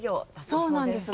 そうなんです。